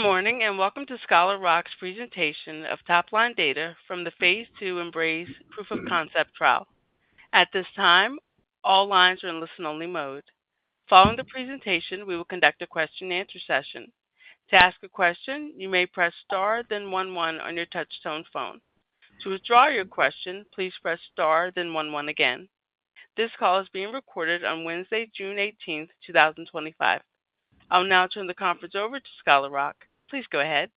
Good morning and welcome to Scholar Rock's presentation of top-line data from the phase 2 Embraze proof of concept trial. At this time, all lines are in listen-only mode. Following the presentation, we will conduct a question-and-answer session. To ask a question, you may press star, then one-one on your touch-tone phone. To withdraw your question, please press star, then one-one again. This call is being recorded on Wednesday, June 18th, 2025. I will now turn the conference over to Scholar Rock. Please go ahead.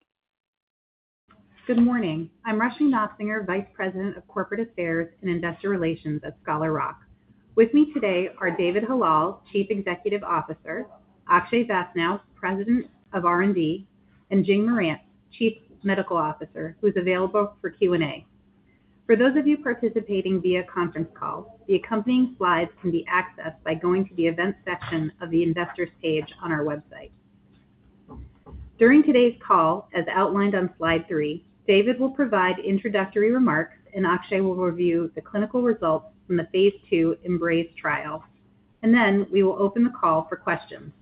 Good morning. I'm Rushmie Nofsinger, Vice President of Corporate Affairs and Investor Relations at Scholar Rock. With me today are David Hallal, Chief Executive Officer, Akshay Vaishnaw, President of R&D, and Jing Marantz, Chief Medical Officer, who is available for Q&A. For those of you participating via conference call, the accompanying slides can be accessed by going to the event section of the investors' page on our website. During today's call, as outlined on slide three, David will provide introductory remarks, Akshay will review the clinical results from the phase 2 Embraze trial, and then we will open the call for questions.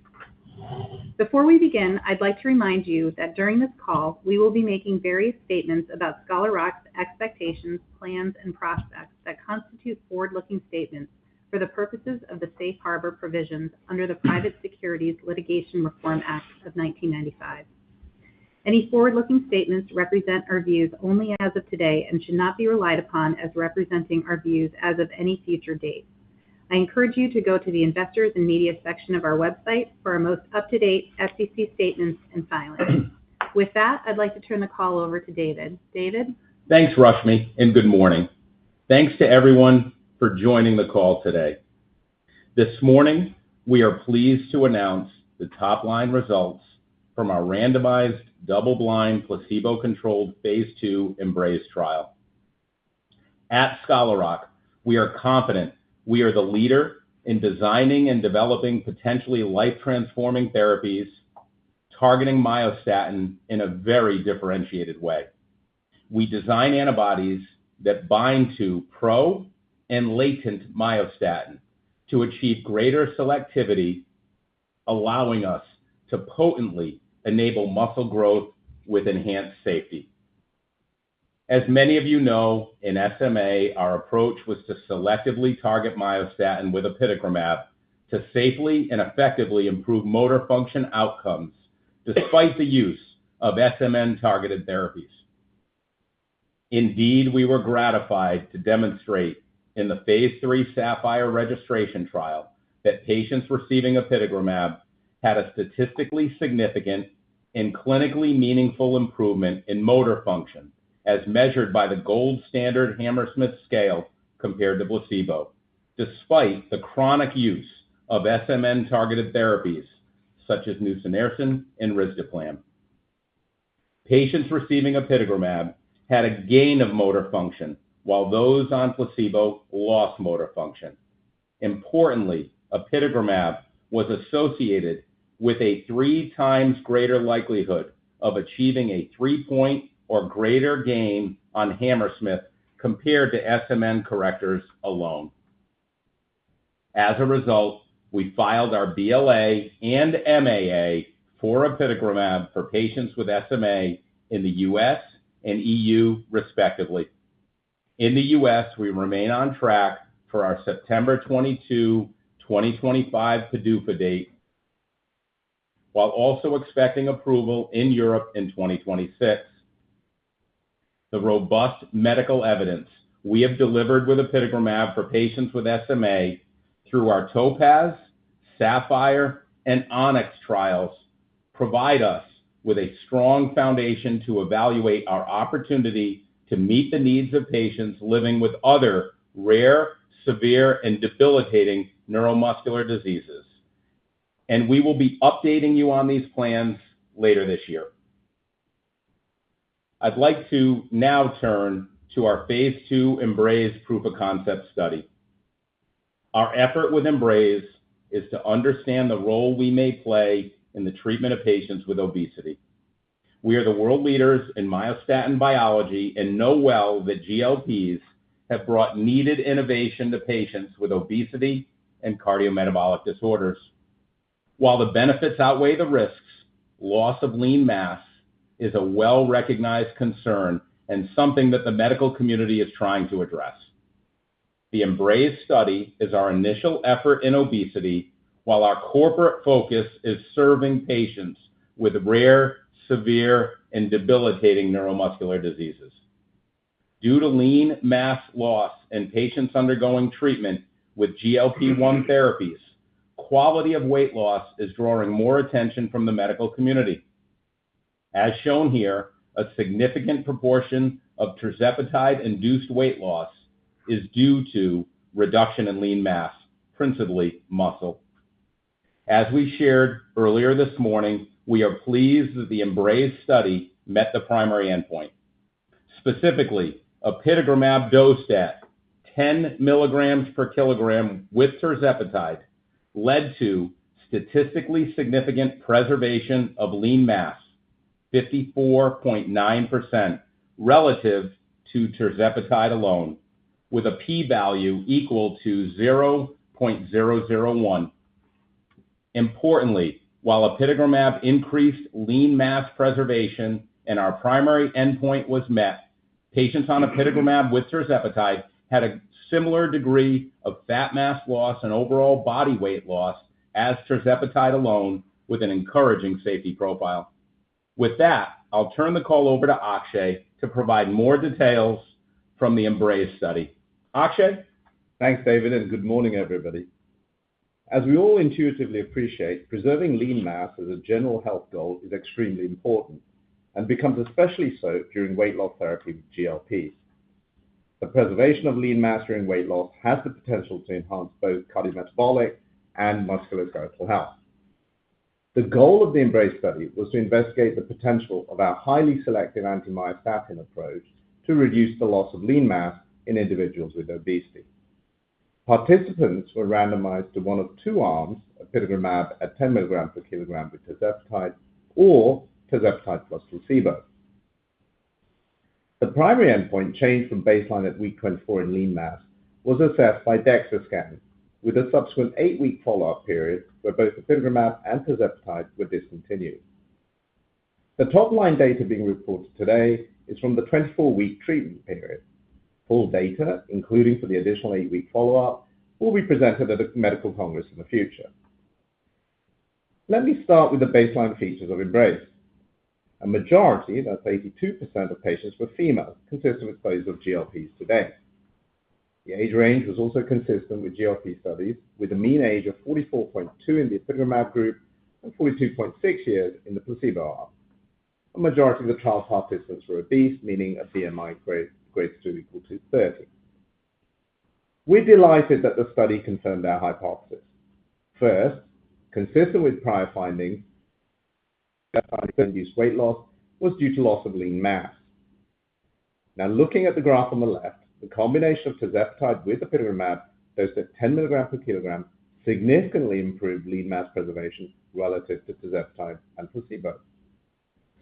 Before we begin, I'd like to remind you that during this call, we will be making various statements about Scholar Rock's expectations, plans, and prospects that constitute forward-looking statements for the purposes of the Safe Harbor provisions under the Private Securities Litigation Reform Act of 1995.Any forward-looking statements represent our views only as of today and should not be relied upon as representing our views as of any future date. I encourage you to go to the investors and media section of our website for our most up-to-date FCC statements and filings. With that, I'd like to turn the call over to David. David. Thanks, Rushmie, and good morning. Thanks to everyone for joining the call today. This morning, we are pleased to announce the top-line results from our randomized, double-blind, placebo-controlled phase 2 Embraze trial. At Scholar Rock, we are confident we are the leader in designing and developing potentially life-transforming therapies targeting myostatin in a very differentiated way. We design antibodies that bind to pro- and latent myostatin to achieve greater selectivity, allowing us to potently enable muscle growth with enhanced safety. As many of you know, in SMA, our approach was to selectively target myostatin with Apitegromab to safely and effectively improve motor function outcomes despite the use of SMN-targeted therapies. Indeed, we were gratified to demonstrate in the phase 3 SAPPHIRE registration trial that patients receiving Apitegromab had a statistically significant and clinically meaningful improvement in motor function as measured by the gold standard Hammersmith scale compared to placebo, despite the chronic use of SMN-targeted therapies such as Nusinersen and Risdiplam. Patients receiving Apitegromab had a gain of motor function, while those on placebo lost motor function. Importantly, Apitegromab was associated with a three times greater likelihood of achieving a three-point or greater gain on Hammersmith compared to SMN correctors alone. As result, we filed our BLA and MAA for Apitegromab for patients with SMA in the U.S. and E.U. Union, respectively. In the U.S., we remain on track for our September 22, 2025, PDUFA date, while also expecting approval in Europe in 2026.The robust medical evidence we have delivered with Apitegromab for patients with SMA through our TOPAZ, SAPPHIRE, and Onyx trials provides us with a strong foundation to evaluate our opportunity to meet the needs of patients living with other rare, severe, and debilitating neuromuscular diseases. We will be updating you on these plans later this year. I'd like to now turn to our phase two Embraze proof of concept study. Our effort with Embraze is to understand the role we may play in the treatment of patients with obesity. We are the world leaders in myostatin biology and know well that GLPs have brought needed innovation to patients with obesity and cardiometabolic disorders. While the benefits outweigh the risks, loss of lean mass is a well-recognized concern and something that the medical community is trying to address. The Embraze study is our initial effort in obesity, while our corporate focus is serving patients with rare, severe, and debilitating neuromuscular diseases. Due to lean mass loss and patients undergoing treatment with GLP-1 therapies, quality of weight loss is drawing more attention from the medical community. As shown here, a significant proportion of Tirzepatide-induced weight loss is due to reduction in lean mass, principally muscle. As we shared earlier this morning, we are pleased that the Embraze study met the primary endpoint. Specifically, Apitegromab dose stat, 10 mg/kg with Tirzepatide, led to statistically significant preservation of lean mass, 54.9% relative to Tirzepatide alone, with a p-value equal to 0.001. Importantly, while Apitegromab increased lean mass preservation and our primary endpoint was met, patients on Apitegromab with Tirzepatide had a similar degree of fat mass loss and overall body weight loss as Tirzepatide alone, with an encouraging safety profile. With that, I'll turn the call over to Akshay to provide more details from the Embraze study. Akshay. Thanks, David, and good morning, everybody. As we all intuitively appreciate, preserving lean mass as a general health goal is extremely important and becomes especially so during weight loss therapy with GLP-1s. The preservation of lean mass during weight loss has the potential to enhance both cardiometabolic and musculoskeletal health. The goal of the Embraze study was to investigate the potential of our highly selective anti-myostatin approach to reduce the loss of lean mass in individuals with obesity. Participants were randomized to one of two arms of Apitegromab at 10 mg/kg with Tirzepatide or Tirzepatide plus placebo. The primary endpoint change from baseline at week 24 in lean mass was assessed by DEXA scan, with a subsequent eight-week follow-up period where both Apitegromab and Tirzepatide were discontinued. The top-line data being reported today is from the 24-week treatment period. Full data, including for the additional eight-week follow-up, will be presented at a medical congress in the future. Let me start with the baseline features of Embraze. A majority, that's 82% of patients, were female, consistent with those of GLPs today. The age range was also consistent with GLP studies, with a mean age of 44.2 in the Apitegromab group and 42.6 years in the placebo arm. A majority of the trial participants were obese, meaning a BMI grade 2 equal to 30. We're delighted that the study confirmed our hypothesis. First, consistent with prior findings, that highly induced weight loss was due to loss of lean mass. Now, looking at the graph on the left, the combination of Tirzepatide with Apitegromab shows that 10 mg/kg significantly improved lean mass preservation relative to Tirzepatide and placebo.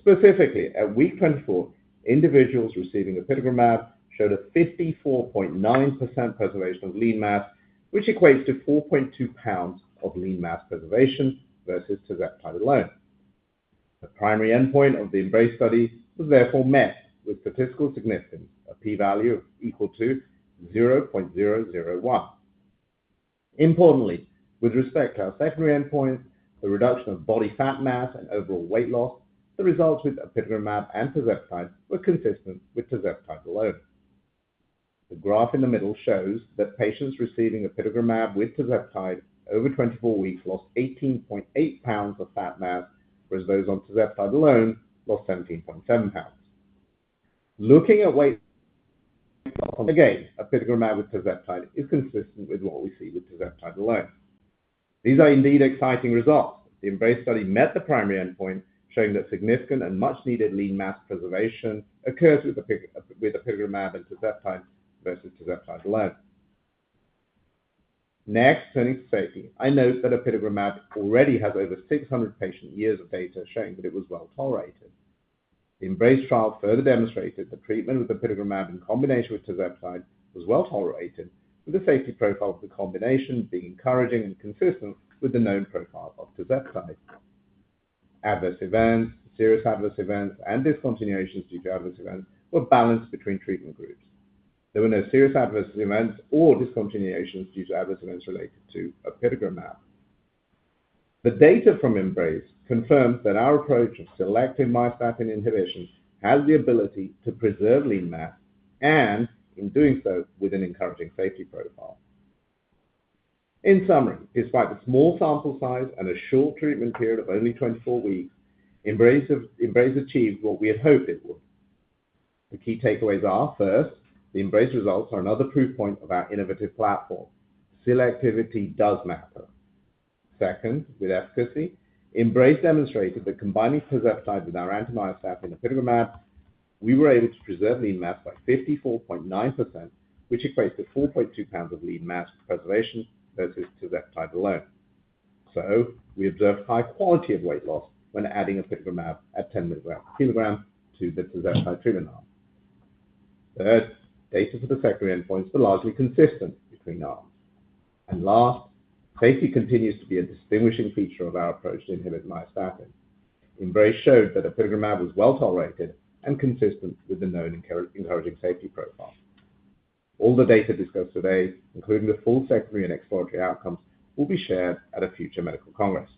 Specifically, at week 24, individuals receiving Apitegromab showed a 54.9% preservation of lean mass, which equates to 4.2 pounds of lean mass preservation versus Tirzepatide alone. The primary endpoint of the Embraze study was therefore met with statistical significance, a p-value equal to 0.001. Importantly, with respect to our secondary endpoints, the reduction of body fat mass and overall weight loss that resulted with Apitegromab and Tirzepatide were consistent with Tirzepatide alone. The graph in the middle shows that patients receiving Apitegromab with Tirzepatide over 24 weeks lost 18.8 lbs of fat mass, whereas those on Tirzepatide alone lost 17.7 lbs. Looking at weight loss once again, Apitegromab with Tirzepatide is consistent with what we see with Tirzepatide alone. These are indeed exciting results. The Embraze study met the primary endpoint, showing that significant and much-needed lean mass preservation occurs with Apitegromab and Tirzepatide versus Tirzepatide alone. Next, turning to safety, I note that Apitegromab already has over 600 patient years of data showing that it was well tolerated. The Embraze trial further demonstrated that treatment with Apitegromab in combination with Tirzepatide was well tolerated, with the safety profile of the combination being encouraging and consistent with the known profile of Tirzepatide. Adverse events, serious adverse events, and discontinuations due to adverse events were balanced between treatment groups. There were no serious adverse events or discontinuations due to adverse events related to Apitegromab. The data from Embraze confirms that our approach of selective myostatin inhibition has the ability to preserve lean mass and, in doing so, with an encouraging safety profile. In summary, despite the small sample size and a short treatment period of only 24 weeks, Embraze achieved what we had hoped it would. The key takeaways are, first, the Embraze results are another proof point of our innovative platform. Selectivity does matter. Second, with efficacy, Embraze demonstrated that combining Tirzepatide with our anti-myostatin Apitegromab, we were able to preserve lean mass by 54.9%, which equates to 4.2 lbs of lean mass preservation versus Tirzepatide alone. We observed high quality of weight loss when adding Apitegromab at 10 mg/kg to the Tirzepatide treatment arm. Third, data for the secondary endpoints were largely consistent between arms. Last, safety continues to be a distinguishing feature of our approach to inhibit myostatin. Embraze showed that Apitegromab was well tolerated and consistent with the known encouraging safety profile. All the data discussed today, including the full secondary and exploratory outcomes, will be shared at a future medical congress.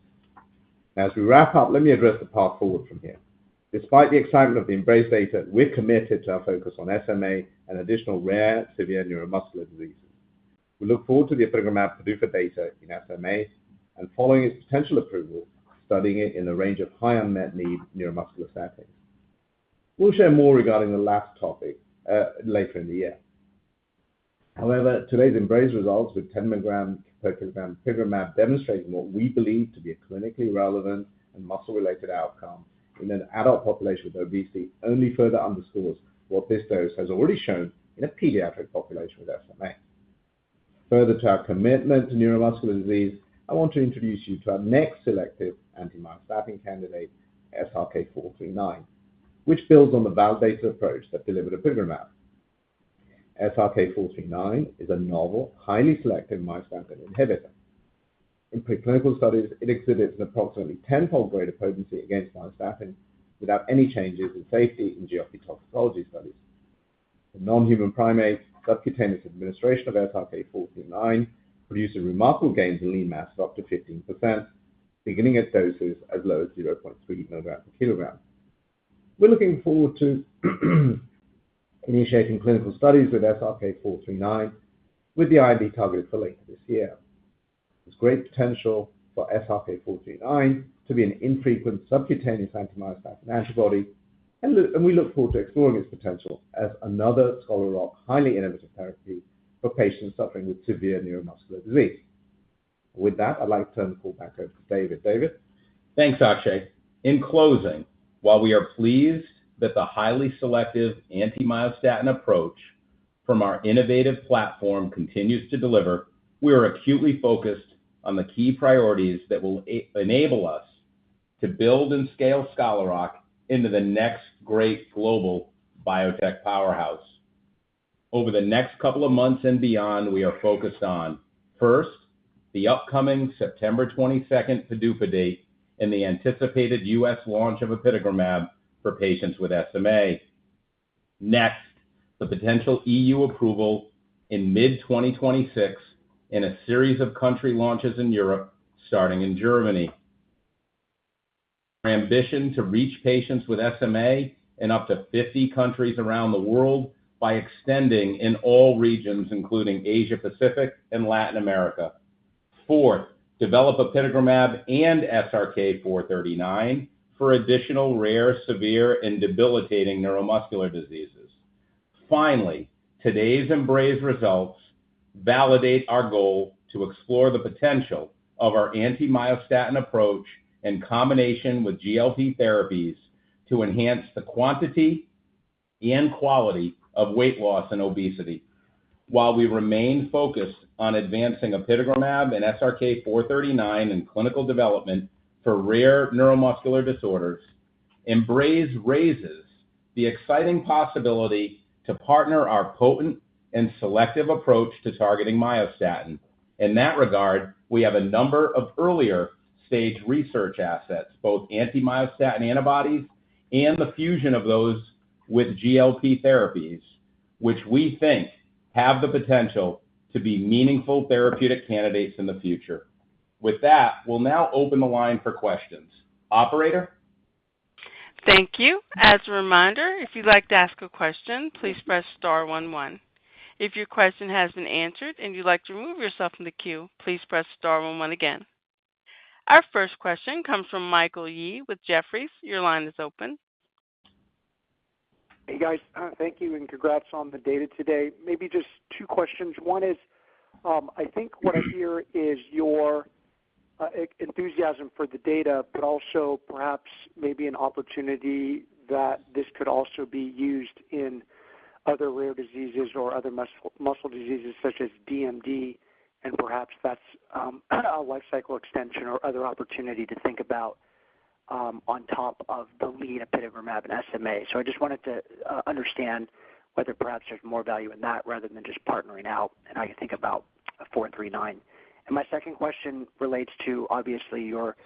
Now, as we wrap up, let me address the path forward from here. Despite the excitement of the Embraze data, we're committed to our focus on SMA and additional rare, severe neuromuscular diseases. We look forward to the Apitegromab PDUFA data in SMA and, following its potential approval, studying it in the range of high unmet need neuromuscular settings. We'll share more regarding the last topic later in the year. However, today's Embraze results with 10 mg/kg Apitegromab demonstrate what we believe to be a clinically relevant and muscle-related outcome in an adult population with obesity only further underscores what this dose has already shown in a pediatric population with SMA. Further to our commitment to neuromuscular disease, I want to introduce you to our next selective anti-myostatin candidate, SRK-439, which builds on the validated approach that delivered Apitegromab. SRK-439 is a novel, highly selective myostatin inhibitor.In preclinical studies, it exhibits an approximately 10-fold greater potency against myostatin without any changes in safety in GLP toxicology studies. The non-human primate subcutaneous administration of SRK-439 produced a remarkable gain in lean mass of up to 15%, beginning at doses as low as 0.3 mg/kg. We're looking forward to initiating clinical studies with SRK-439, with the IND targeted for later this year. There's great potential for SRK-439 to be an infrequent subcutaneous anti-myostatin antibody, and we look forward to exploring its potential as another Scholar Rock highly innovative therapy for patients suffering with severe neuromuscular disease. With that, I'd like to turn the call back over to David. David. Thanks, Akshay. In closing, while we are pleased that the highly selective anti-myostatin approach from our innovative platform continues to deliver, we are acutely focused on the key priorities that will enable us to build and scale Scholar Rock into the next great global biotech powerhouse. Over the next couple of months and beyond, we are focused on, first, the upcoming September 22nd PDUFA date and the anticipated U.S. launch of Apitegromab for patients with SMA. Next, the potential E.U. approval in mid-2026 in a series of country launches in Europe, starting in Germany. Our ambition is to reach patients with SMA in up to 50 countries around the world by extending in all regions, including Asia-Pacific and Latin America. Fourth, develop Apitegromab and SRK-439 for additional rare, severe, and debilitating neuromuscular diseases. Finally, today's Embraze results validate our goal to explore the potential of our anti-myostatin approach in combination with GLP therapies to enhance the quantity and quality of weight loss and obesity. While we remain focused on advancing Apitegromab and SRK-439 in clinical development for rare neuromuscular disorders, Embraze raises the exciting possibility to partner our potent and selective approach to targeting myostatin. In that regard, we have a number of earlier stage research assets, both anti-myostatin antibodies and the fusion of those with GLP therapies, which we think have the potential to be meaningful therapeutic candidates in the future. With that, we'll now open the line for questions. Operator. Thank you. As a reminder, if you'd like to ask a question, please press star one, one. If your question hasn't been answered and you'd like to remove yourself from the queue, please press star one, one again. Our first question comes from Michael Yee with Jefferies. Your line is open. Hey, guys. Thank you and congrats on the data today. Maybe just two questions. One is, I think what I hear is your enthusiasm for the data, but also perhaps maybe an opportunity that this could also be used in other rare diseases or other muscle diseases such as DMD, and perhaps that's a life cycle extension or other opportunity to think about on top of the lean Apitegromab and SMA. I just wanted to understand whether perhaps there's more value in that rather than just partnering out, and how you think about 439. My second question relates to, obviously, your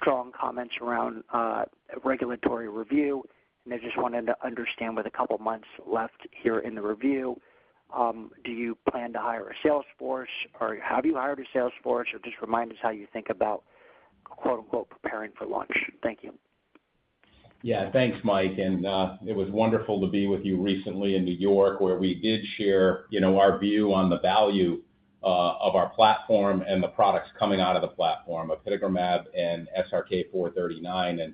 strong comments around regulatory review, and I just wanted to understand, with a couple of months left here in the review, do you plan to hire a salesforce, or have you hired a salesforce, or just remind us how you think about "preparing for launch"? Thank you. Yeah, thanks, Mike. It was wonderful to be with you recently in New York, where we did share our view on the value of our platform and the products coming out of the platform of Apitegromab and SRK-439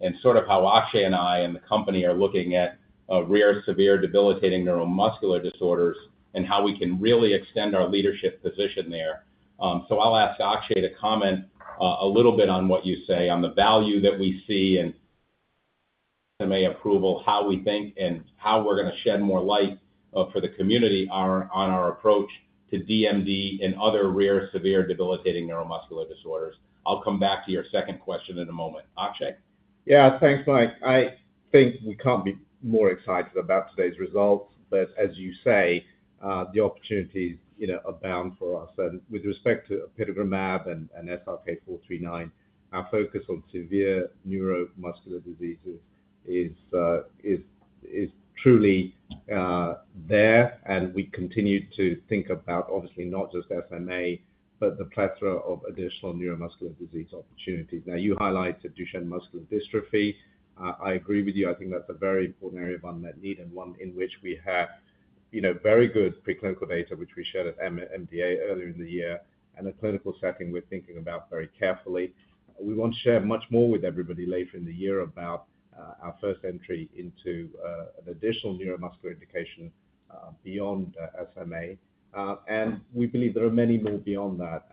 and sort of how Akshay and I and the company are looking at rare, severe, debilitating neuromuscular disorders and how we can really extend our leadership position there. I'll ask Akshay to comment a little bit on what you say on the value that we see in SMA approval, how we think, and how we're going to shed more light for the community on our approach to DMD and other rare, severe, debilitating neuromuscular disorders. I'll come back to your second question in a moment. Akshay? Yeah, thanks, Mike. I think we can't be more excited about today's results. As you say, the opportunities abound for us. With respect to Apitegromab and SRK-439, our focus on severe neuromuscular diseases is truly there, and we continue to think about, obviously, not just SMA, but the plethora of additional neuromuscular disease opportunities. Now, you highlighted Duchenne muscular dystrophy. I agree with you. I think that's a very important area of unmet need and one in which we have very good preclinical data, which we shared at MDA earlier in the year, and a clinical setting we're thinking about very carefully. We want to share much more with everybody later in the year about our first entry into an additional neuromuscular indication beyond SMA. We believe there are many more beyond that.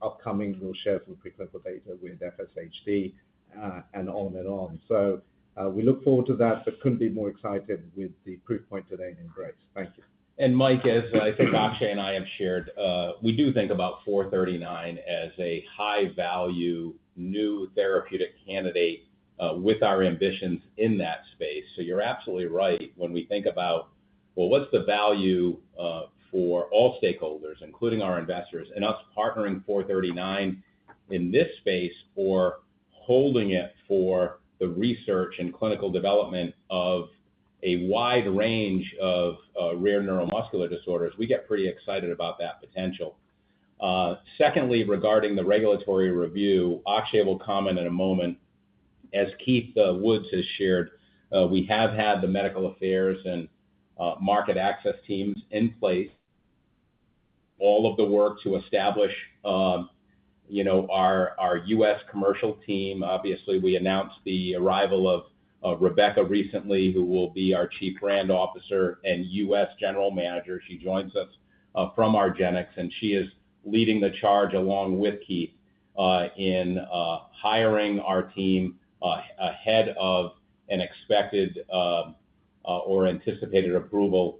Upcoming, we'll share some preclinical data with FSHD and on and on. We look forward to that, but couldn't be more excited with the proof point today in Embraze. Thank you. Mike, as I think Akshay and I have shared, we do think about 439 as a high-value new therapeutic candidate with our ambitions in that space. You are absolutely right when we think about, well, what is the value for all stakeholders, including our investors, and us partnering 439 in this space or holding it for the research and clinical development of a wide range of rare neuromuscular disorders. We get pretty excited about that potential. Secondly, regarding the regulatory review, Akshay will comment in a moment. As Keith Woods has shared, we have had the medical affairs and market access teams in place, all of the work to establish our U.S. commercial team. Obviously, we announced the arrival of Rebecca recently, who will be our Chief Brand Officer and U.S. General Manager. She joins us from Argenx, and she is leading the charge along with Keith in hiring our team ahead of an expected or anticipated approval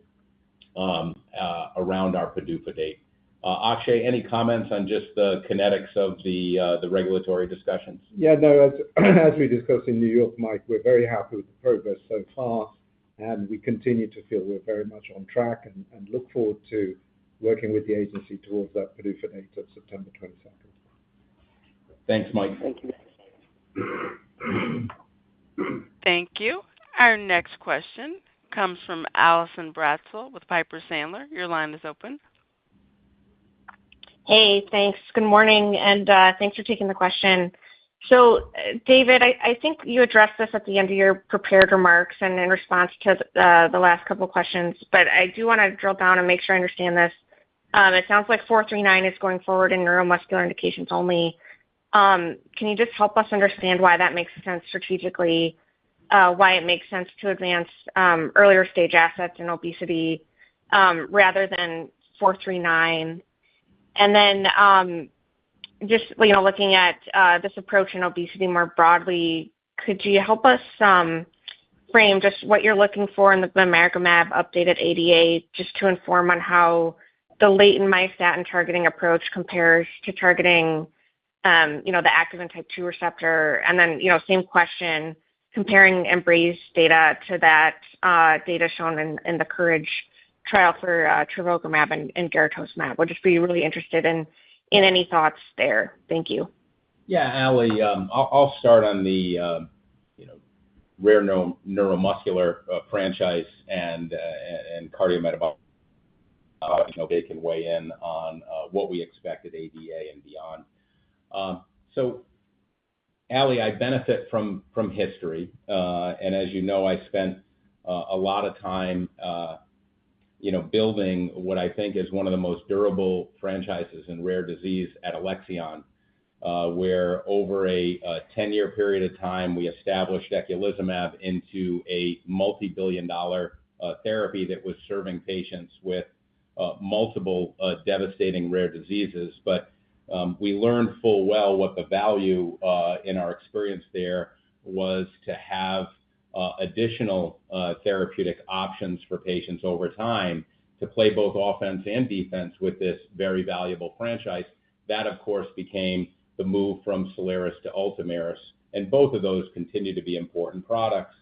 around our PDUFA date. Akshay, any comments on just the kinetics of the regulatory discussions? Yeah, no, as we discussed in New York, Mike, we're very happy with the progress so far, and we continue to feel we're very much on track and look forward to working with the agency towards that PDUFA date of September 22. Thanks, Mike. Thank you. Thank you. Our next question comes from Alison Bratzel with Piper Sandler. Your line is open. Hey, thanks. Good morning, and thanks for taking the question. David, I think you addressed this at the end of your prepared remarks and in response to the last couple of questions, but I do want to drill down and make sure I understand this. It sounds like 439 is going forward in neuromuscular indications only. Can you just help us understand why that makes sense strategically, why it makes sense to advance earlier stage assets in obesity rather than 439? Just looking at this approach in obesity more broadly, could you help us frame just what you're looking for in the Myrcamab updated ADA just to inform on how the latent myostatin targeting approach compares to targeting the active and type 2 receptor? Same question, comparing Embraze data to that data shown in the COURAGE trial for Trevogrumab and Garetosmab. We'll just be really interested in any thoughts there. Thank you. Yeah, Ali, I'll start on the rare neuromuscular franchise and cardiometabolic. They can weigh in on what we expect at ADA and beyond. Ali, I benefit from history. And as you know, I spent a lot of time building what I think is one of the most durable franchises in rare disease at Alexion, where over a 10-year period of time, we established Eculizumab into a multi-billion dollar therapy that was serving patients with multiple devastating rare diseases. We learned full well what the value in our experience there was to have additional therapeutic options for patients over time to play both offense and defense with this very valuable franchise. That, of course, became the move from Soliris to Ultomiris, and both of those continue to be important products.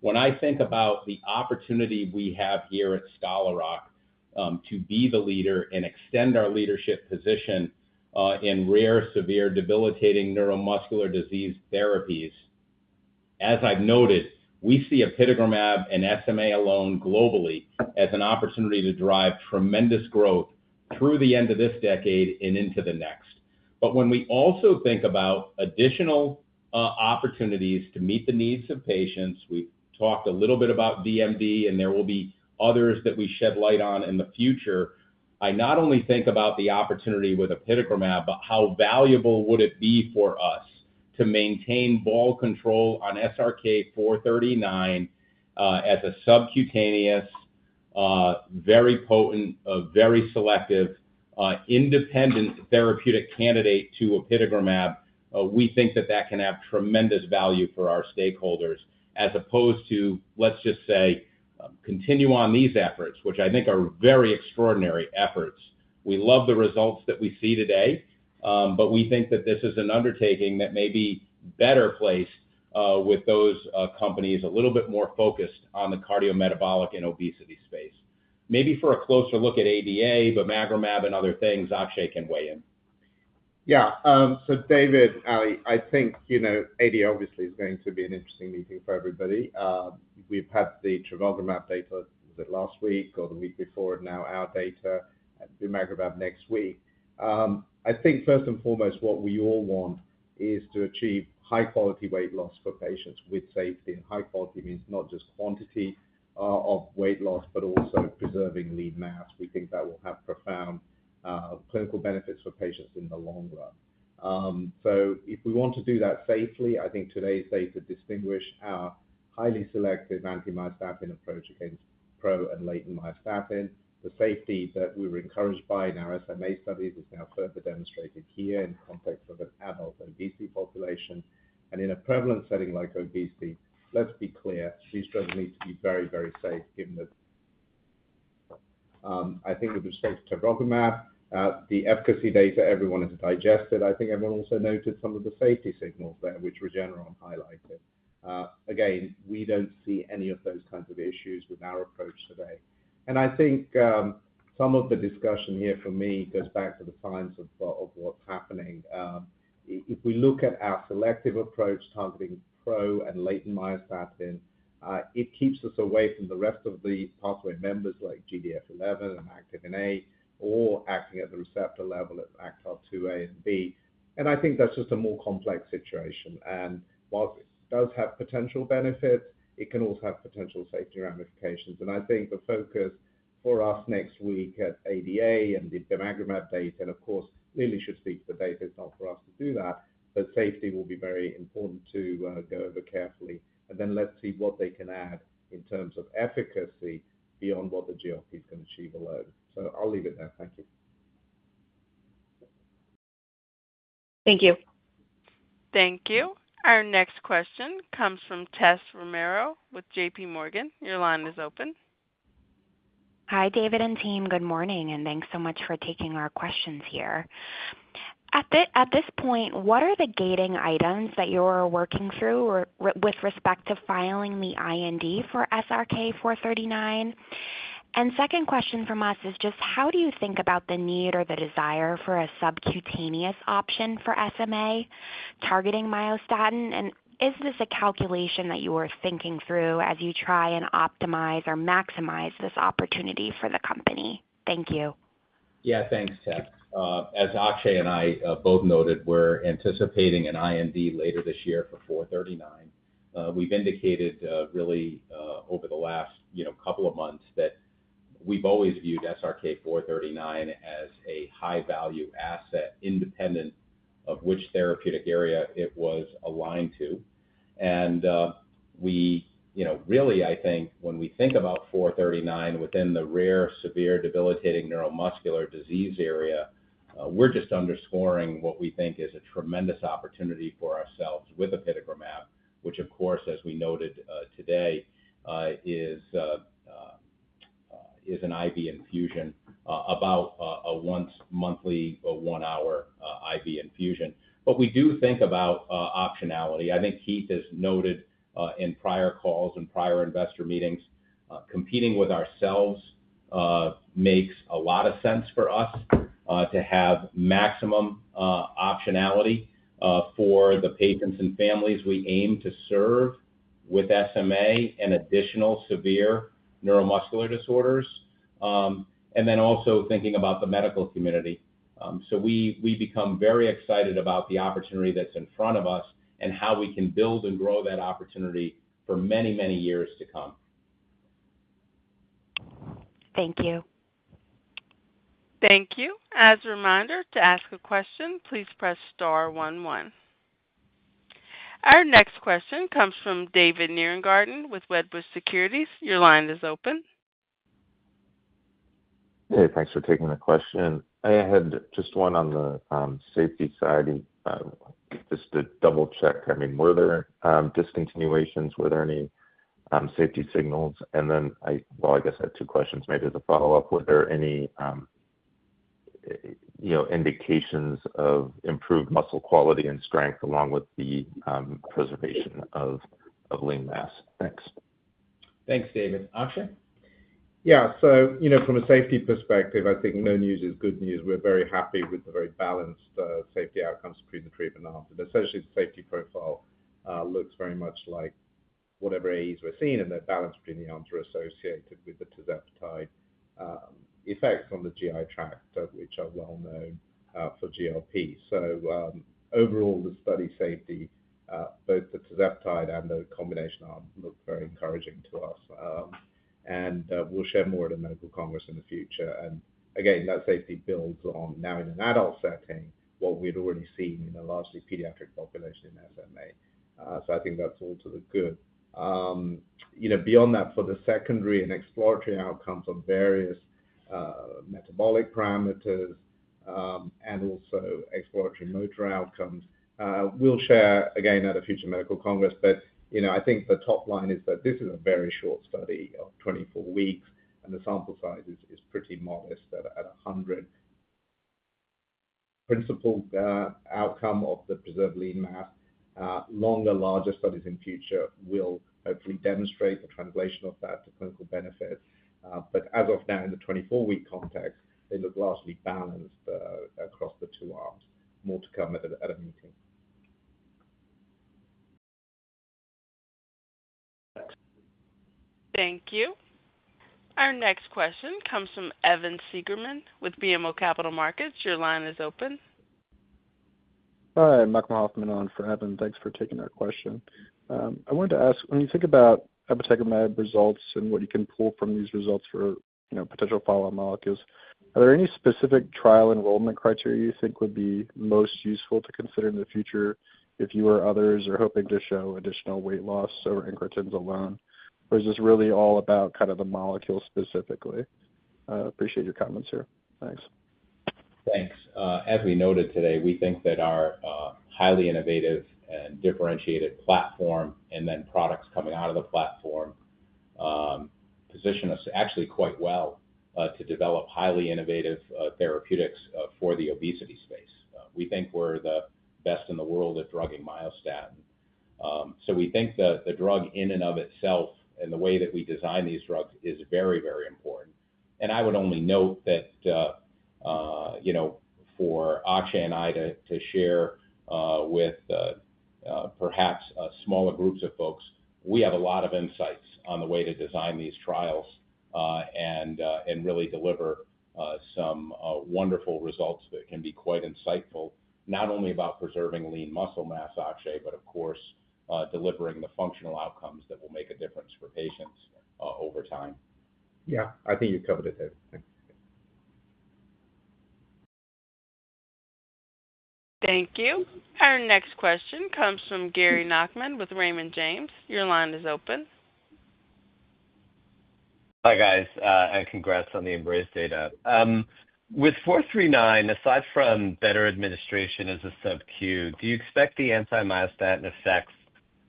When I think about the opportunity we have here at Scholar Rock to be the leader and extend our leadership position in rare, severe, debilitating neuromuscular disease therapies, as I've noted, we see Apitegromab and SMA alone globally as an opportunity to drive tremendous growth through the end of this decade and into the next. When we also think about additional opportunities to meet the needs of patients, we've talked a little bit about DMD, and there will be others that we shed light on in the future. I not only think about the opportunity with Apitegromab, but how valuable would it be for us to maintain ball control on SRK-439 as a subcutaneous, very potent, very selective, independent therapeutic candidate to Apitegromab? We think that can have tremendous value for our stakeholders as opposed to, let's just say, continue on these efforts, which I think are very extraordinary efforts. We love the results that we see today, but we think that this is an undertaking that may be better placed with those companies a little bit more focused on the cardiometabolic and obesity space. Maybe for a closer look at ADA, but Myrcamab and other things, Akshay can weigh in. Yeah. David, Ali, I think ADA obviously is going to be an interesting meeting for everybody. We've had the Trevogrumab data, was it last week or the week before, now our data, the Myrcamab next week. I think first and foremost, what we all want is to achieve high-quality weight loss for patients with safety. High quality means not just quantity of weight loss, but also preserving lean mass. We think that will have profound clinical benefits for patients in the long run. If we want to do that safely, I think today's data distinguish our highly selective anti-myostatin approach against pro and latent myostatin. The safety that we were encouraged by in our SMA studies is now further demonstrated here in the context of an adult obesity population. In a prevalent setting like obesity, let's be clear, these drugs need to be very, very safe, given that I think with respect to Trevogrumab, the efficacy data, everyone has digested. I think everyone also noted some of the safety signals there, which Regeneron highlighted. We do not see any of those kinds of issues with our approach today. I think some of the discussion here for me goes back to the science of what's happening. If we look at our selective approach targeting pro and latent myostatin, it keeps us away from the rest of the pathway members like GDF11 and Activin A or acting at the receptor level at ActRIIA and B. I think that's just a more complex situation. While it does have potential benefits, it can also have potential safety ramifications. I think the focus for us next week at ADA and the Myrcamab data, and of course, really should speak to the data, it's not for us to do that, but safety will be very important to go over carefully. Let's see what they can add in terms of efficacy beyond what the GLPs can achieve alone. I'll leave it there. Thank you. Thank you. Thank you. Our next question comes from Tess Romero with JPMorgan. Your line is open. Hi, David and team. Good morning, and thanks so much for taking our questions here. At this point, what are the gating items that you're working through with respect to filing the IND for SRK-439? The second question from us is just how do you think about the need or the desire for a subcutaneous option for SMA targeting myostatin? Is this a calculation that you are thinking through as you try and optimize or maximize this opportunity for the company? Thank you. Yeah, thanks, Tess. As Akshay and I both noted, we're anticipating an IND later this year for 439. We've indicated really over the last couple of months that we've always viewed SRK-439 as a high-value asset, independent of which therapeutic area it was aligned to. And really, I think when we think about 439 within the rare, severe, debilitating neuromuscular disease area, we're just underscoring what we think is a tremendous opportunity for ourselves with Apitegromab, which, of course, as we noted today, is an IV infusion, about a once-monthly, one-hour IV infusion. But we do think about optionality. I think Keith has noted in prior calls and prior investor meetings, competing with ourselves makes a lot of sense for us to have maximum optionality for the patients and families we aim to serve with SMA and additional severe neuromuscular disorders. And then also thinking about the medical community. We become very excited about the opportunity that's in front of us and how we can build and grow that opportunity for many, many years to come. Thank you. Thank you. As a reminder, to ask a question, please press star one one. Our next question comes from David Nierengarten with Wedbush Securities. Your line is open. Hey, thanks for taking the question. I had just one on the safety side, just to double-check. I mean, were there discontinuations? Were there any safety signals? I guess I had two questions. Maybe as a follow-up, were there any indications of improved muscle quality and strength along with the preservation of lean mass? Thanks. Thanks, David. Akshay? Yeah. From a safety perspective, I think no news is good news. We're very happy with the very balanced safety outcomes between the treatment and after. Essentially, the safety profile looks very much like whatever AEs we're seeing, and the balance between the arms are associated with the Tirzepatide effects on the GI tract, which are well-known for GLP-1. Overall, the study safety, both the Tirzepatide and the combination arm, look very encouraging to us. We'll share more at a medical congress in the future. That safety builds on now in an adult setting what we had already seen in a largely pediatric population in SMA. I think that's all to the good. Beyond that, for the secondary and exploratory outcomes on various metabolic parameters and also exploratory motor outcomes, we'll share again at a future medical congress.I think the top line is that this is a very short study of 24 weeks, and the sample size is pretty modest at 100. Principal outcome of the preserved lean mass, longer, larger studies in future will hopefully demonstrate the translation of that to clinical benefits. As of now, in the 24-week context, they look largely balanced across the two arms. More to come at a meeting. Thank you. Our next question comes from Evan Seigarman with BMO Capital Markets. Your line is open. Hi, Malcolm Hoffman on for Evan. Thanks for taking our question. I wanted to ask, when you think about Apitegromab results and what you can pull from these results for potential follow-up molecules, are there any specific trial enrollment criteria you think would be most useful to consider in the future if you or others are hoping to show additional weight loss over incretins alone? Or is this really all about kind of the molecule specifically? Appreciate your comments here. Thanks. Thanks. As we noted today, we think that our highly innovative and differentiated platform and then products coming out of the platform position us actually quite well to develop highly innovative therapeutics for the obesity space. We think we're the best in the world at drugging myostatin. We think the drug in and of itself and the way that we design these drugs is very, very important. I would only note that for Akshay and I to share with perhaps smaller groups of folks, we have a lot of insights on the way to design these trials and really deliver some wonderful results that can be quite insightful, not only about preserving lean muscle mass, Akshay, but of course, delivering the functional outcomes that will make a difference for patients over time. Yeah, I think you covered it there. Thanks. Thank you. Our next question comes from Gary Nachman with Raymond James. Your line is open. Hi, guys. And congrats on the Embraze data. With 439, aside from better administration as a subQ, do you expect the anti-myostatin effects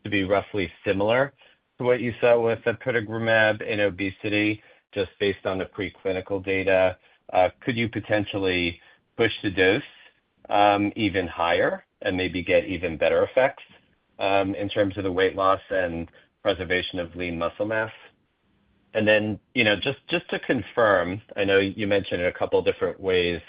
to be roughly similar to what you saw with Apitegromab in obesity just based on the preclinical data? Could you potentially push the dose even higher and maybe get even better effects in terms of the weight loss and preservation of lean muscle mass? And then just to confirm, I know you mentioned it a couple of different ways,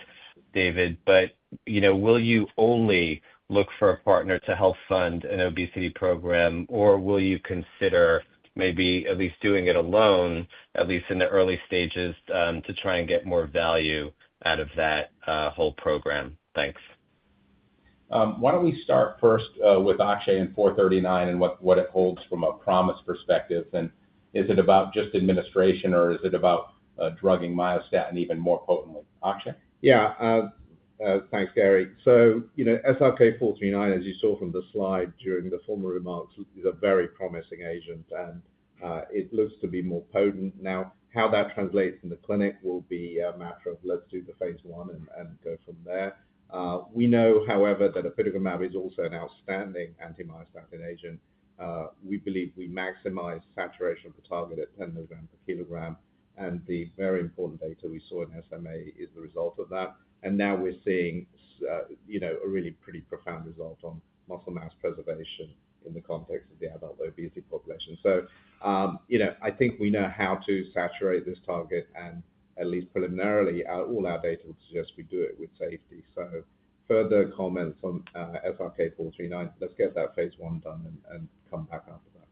David, but will you only look for a partner to help fund an obesity program, or will you consider maybe at least doing it alone, at least in the early stages, to try and get more value out of that whole program? Thanks. Why don't we start first with Akshay and 439 and what it holds from a promise perspective? Is it about just administration, or is it about drugging myostatin even more potently? Akshay? Yeah. Thanks, Gary. SRK-439, as you saw from the slide during the former remarks, is a very promising agent, and it looks to be more potent. Now, how that translates in the clinic will be a matter of let's do the phase one and go from there. We know, however, that Apitegromab is also an outstanding anti-myostatin agent. We believe we maximize saturation of the target at 10 mg/kg. The very important data we saw in SMA is the result of that. Now we're seeing a really pretty profound result on muscle mass preservation in the context of the adult obesity population. I think we know how to saturate this target, and at least preliminarily, all our data would suggest we do it with safety. Further comments on SRK-439, let's get that phase one done and come back after that.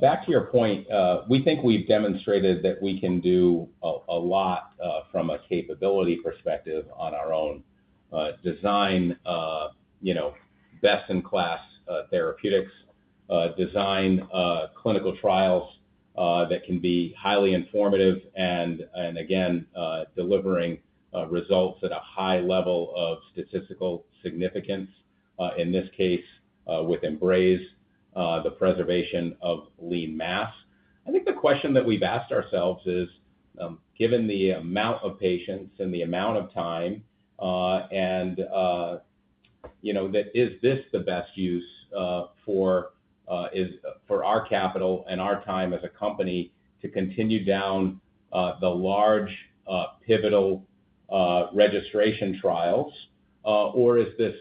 Back to your point, we think we've demonstrated that we can do a lot from a capability perspective on our own design, best-in-class therapeutics, design clinical trials that can be highly informative and, again, delivering results at a high level of statistical significance, in this case with Embraze, the preservation of lean mass. I think the question that we've asked ourselves is, given the amount of patients and the amount of time, and is this the best use for our capital and our time as a company to continue down the large pivotal registration trials, or is this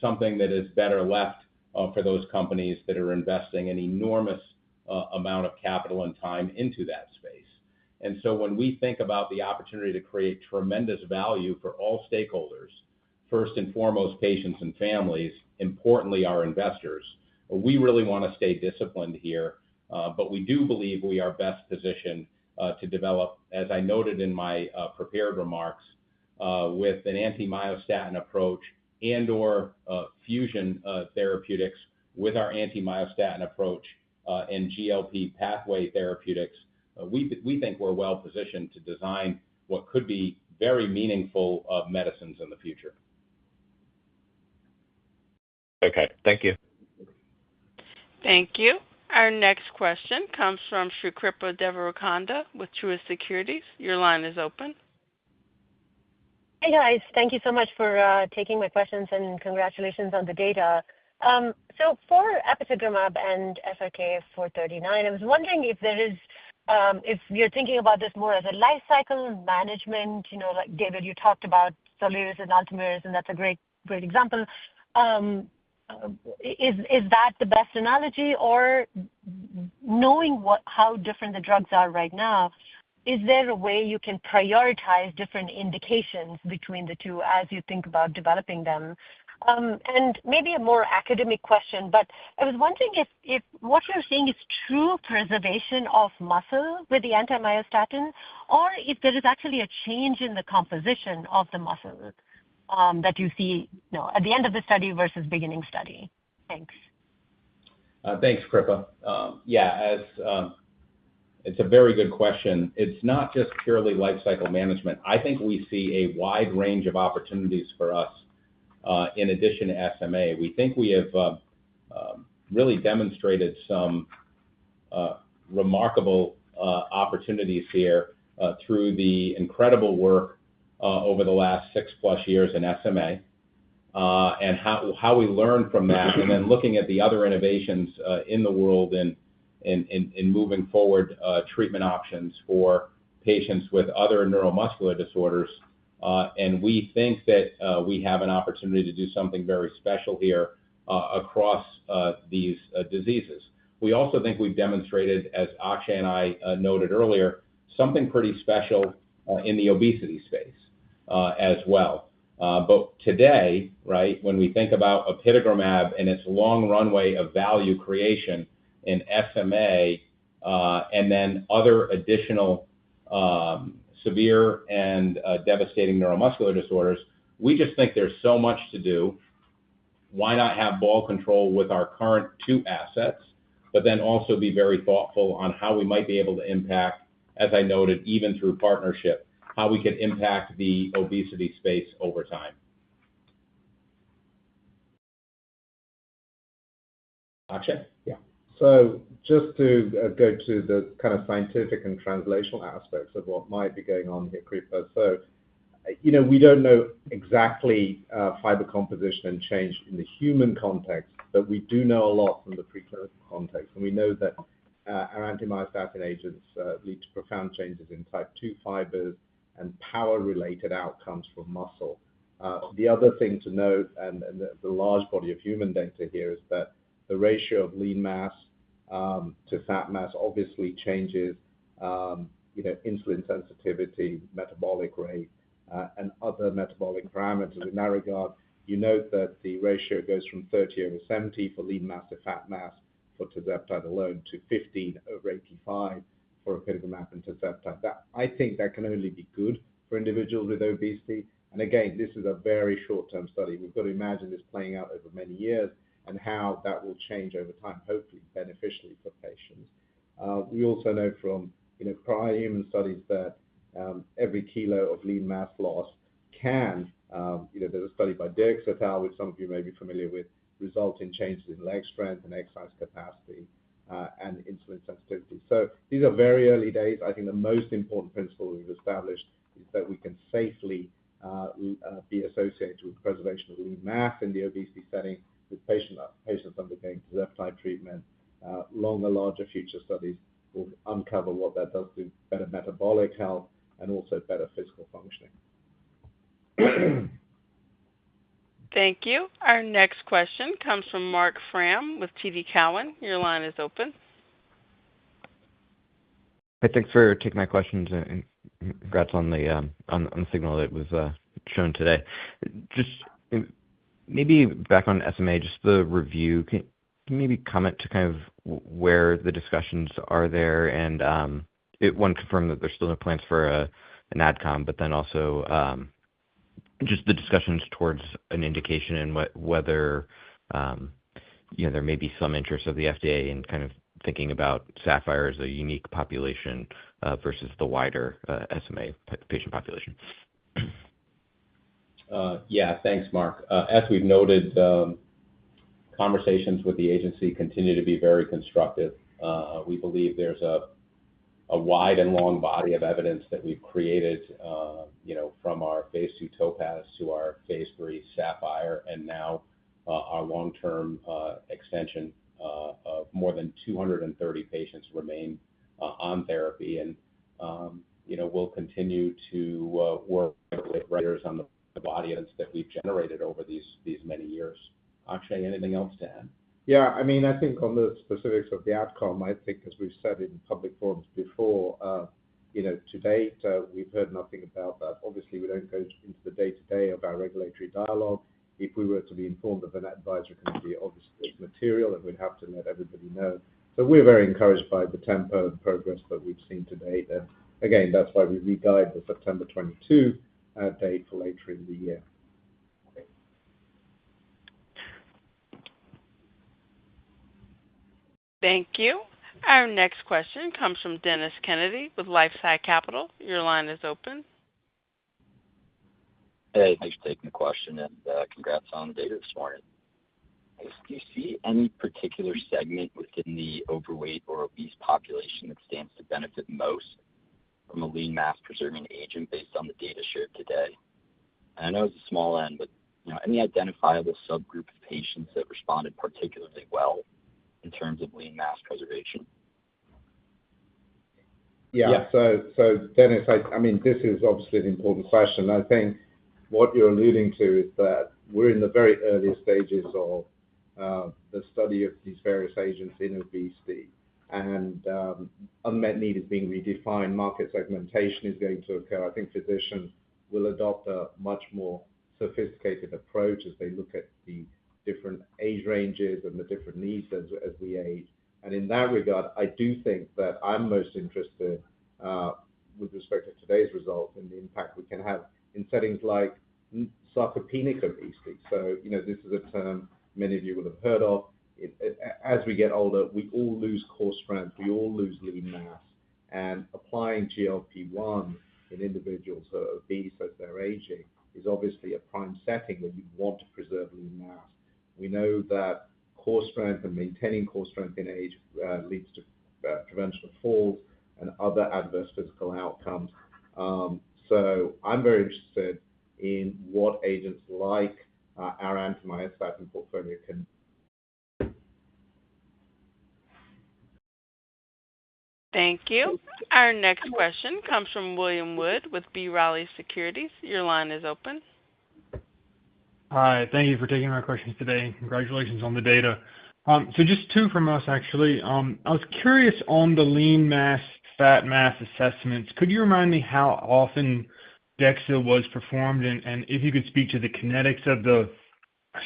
something that is better left for those companies that are investing an enormous amount of capital and time into that space? When we think about the opportunity to create tremendous value for all stakeholders, first and foremost, patients and families, importantly, our investors, we really want to stay disciplined here. We do believe we are best positioned to develop, as I noted in my prepared remarks, with an anti-myostatin approach and/or fusion therapeutics with our anti-myostatin approach and GLP pathway therapeutics. We think we're well-positioned to design what could be very meaningful medicines in the future. Okay. Thank you. Thank you. Our next question comes from Kripa Devarakonda with Truist Securities. Your line is open. Hey, guys. Thank you so much for taking my questions and congratulations on the data. For Apitegromab and SRK-439, I was wondering if you're thinking about this more as a lifecycle management. David, you talked about Tirzepatide and Altamix, and that's a great example. Is that the best analogy? Or knowing how different the drugs are right now, is there a way you can prioritize different indications between the two as you think about developing them? Maybe a more academic question, but I was wondering if what you're seeing is true preservation of muscle with the anti-myostatin, or if there is actually a change in the composition of the muscle that you see at the end of the study versus beginning study? Thanks. Thanks, Kripa. Yeah, it's a very good question. It's not just purely lifecycle management. I think we see a wide range of opportunities for us in addition to SMA. We think we have really demonstrated some remarkable opportunities here through the incredible work over the last six-plus years in SMA and how we learned from that, and then looking at the other innovations in the world and moving forward treatment options for patients with other neuromuscular disorders. We think that we have an opportunity to do something very special here across these diseases. We also think we've demonstrated, as Akshay and I noted earlier, something pretty special in the obesity space as well. Today, right, when we think about Apitegromab and its long runway of value creation in SMA and then other additional severe and devastating neuromuscular disorders, we just think there's so much to do. Why not have ball control with our current two assets, but then also be very thoughtful on how we might be able to impact, as I noted, even through partnership, how we could impact the obesity space over time? Akshay? Yeah. Just to go to the kind of scientific and translational aspects of what might be going on here, Kripa. We do not know exactly fiber composition and change in the human context, but we do know a lot from the preclinical context. We know that our anti-myostatin agents lead to profound changes in type 2 fibers and power-related outcomes for muscle. The other thing to note, and the large body of human data here, is that the ratio of lean mass to fat mass obviously changes insulin sensitivity, metabolic rate, and other metabolic parameters. In that regard, you note that the ratio goes from 30/70 for lean mass to fat mass for Tirzepatide alone to 15/85 for Apitegromab and Tirzepatide. I think that can only be good for individuals with obesity. Again, this is a very short-term study. We've got to imagine this playing out over many years and how that will change over time, hopefully beneficially for patients. We also know from prior human studies that every kilo of lean mass lost can, there's a study by Dirk Verbiesen, which some of you may be familiar with, result in changes in leg strength and exercise capacity and insulin sensitivity. These are very early days. I think the most important principle we've established is that we can safely be associated with preservation of lean mass in the obesity setting with patients undergoing Tirzepatide treatment. Longer, larger future studies will uncover what that does to better metabolic health and also better physical functioning. Thank you. Our next question comes from Marc Frahm with TD Cowen. Your line is open. Hey, thanks for taking my questions. Congrats on the signal that was shown today. Just maybe back on SMA, just the review. Can you maybe comment to kind of where the discussions are there? One, confirm that there's still no plans for an, but then also just the discussions towards an indication and whether there may be some interest of the FDA in kind of thinking about SAPPHIRE as a unique population versus the wider SMA patient population. Yeah. Thanks, Mark. As we've noted, conversations with the agency continue to be very constructive. We believe there's a wide and long body of evidence that we've created from our phase two TOPAZ to our phase three SAPPHIRE, and now our long-term extension of more than 230 patients remain on therapy. We'll continue to work with years on the body of evidence that we've generated over these many years. Akshay, anything else to add? Yeah. I mean, I think on the specifics of the AdCom, I think, as we've said in public forums before, to date, we've heard nothing about that. Obviously, we don't go into the day-to-day of our regulatory dialogue. If we were to be informed of an advisory committee, obviously, it's material and we'd have to let everybody know. We are very encouraged by the tempo of progress that we've seen to date. Again, that's why we re-guide the September 22 date for later in the year. Thank you. Our next question comes from Dennis Kennedy with LifeSci Capital. Your line is open. Hey, thanks for taking the question. Congrats on the data this morning. Do you see any particular segment within the overweight or obese population that stands to benefit most from a lean mass preserving agent based on the data shared today? I know it's a small n, but any identifiable subgroup of patients that responded particularly well in terms of lean mass preservation? Yeah. So Dennis, I mean, this is obviously an important question. I think what you're alluding to is that we're in the very early stages of the study of these various agents in obesity. Unmet need is being redefined. Market segmentation is going to occur. I think physicians will adopt a much more sophisticated approach as they look at the different age ranges and the different needs as we age. In that regard, I do think that I'm most interested with respect to today's results and the impact we can have in settings like sarcopenic obesity. This is a term many of you will have heard of. As we get older, we all lose core strength. We all lose lean mass. Applying GLP-1 in individuals who are obese as they're aging is obviously a prime setting where you want to preserve lean mass. We know that core strength and maintaining core strength in age leads to prevention of falls and other adverse physical outcomes. I am very interested in what agents like our anti-myostatin portfolio can. Thank you. Our next question comes from William Wood with B.Riley Securities. Your line is open. Hi. Thank you for taking my questions today. Congratulations on the data. Just two from us, actually. I was curious on the lean mass, fat mass assessments. Could you remind me how often DEXA was performed and if you could speak to the kinetics of the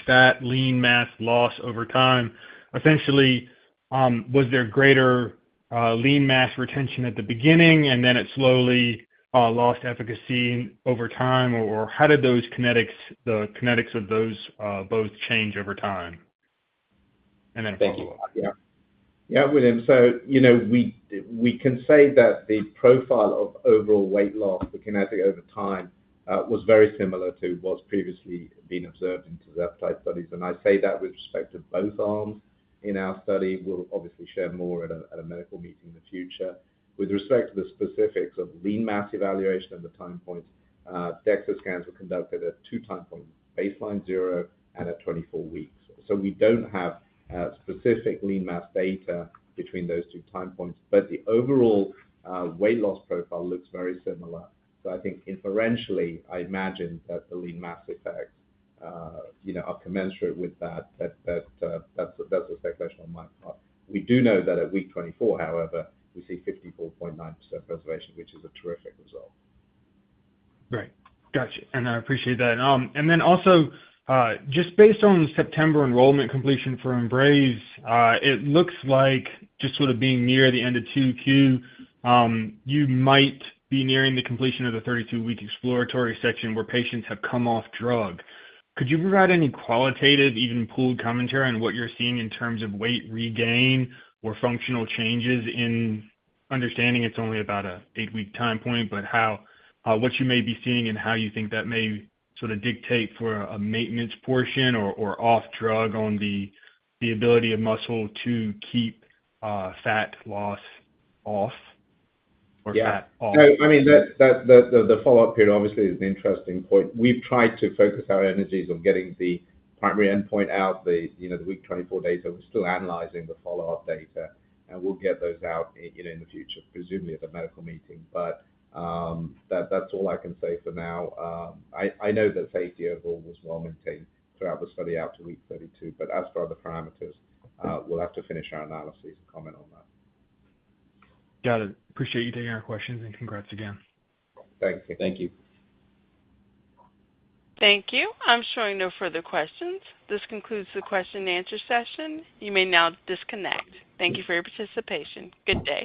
fat lean mass loss over time? Essentially, was there greater lean mass retention at the beginning and then it slowly lost efficacy over time? How did the kinetics of those both change over time? And then. Thank you. Yeah. Yeah, William. We can say that the profile of overall weight loss, the kinetic over time, was very similar to what's previously been observed in Tirzepatide studies. I say that with respect to both arms in our study. We'll obviously share more at a medical meeting in the future. With respect to the specifics of lean mass evaluation and the time points, DEXA scans were conducted at two time points, baseline zero and at 24 weeks. We do not have specific lean mass data between those two time points, but the overall weight loss profile looks very similar. I think inferentially, I imagine that the lean mass effects are commensurate with that. That is a speculation on my part. We do know that at week 24, however, we see 54.9% preservation, which is a terrific result. Right. Gotcha. I appreciate that. Also, just based on September enrollment completion for Embraze, it looks like just sort of being near the end of 2Q, you might be nearing the completion of the 32-week exploratory section where patients have come off drug. Could you provide any qualitative, even pooled commentary on what you're seeing in terms of weight regain or functional changes, understanding it's only about an eight-week time point, but what you may be seeing and how you think that may sort of dictate for a maintenance portion or off drug on the ability of muscle to keep fat loss off or fat off? Yeah. I mean, the follow-up period obviously is an interesting point. We've tried to focus our energies on getting the primary endpoint out, the week 24 data. We're still analyzing the follow-up data, and we'll get those out in the future, presumably at a medical meeting. That is all I can say for now. I know that safety overall was well maintained throughout the study out to week 32, but as far as the parameters, we'll have to finish our analysis and comment on that. Got it. Appreciate you taking our questions and congrats again. Thank you. Thank you. Thank you. I'm showing no further questions. This concludes the question-and-answer session. You may now disconnect. Thank you for your participation. Good day.